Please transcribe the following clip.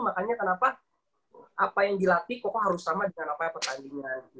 makanya kenapa apa yang dilatih kok harus sama dengan apa pertandingan